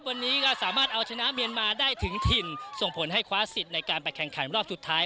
วันนี้ก็สามารถเอาชนะเมียนมาได้ถึงถิ่นส่งผลให้คว้าสิทธิ์ในการไปแข่งขันรอบสุดท้าย